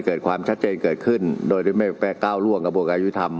ให้เกิดความชัดเจนเกิดขึ้นโดยไม่แปลกก้าวร่วงกระบวนการวิทยาลัยธรรม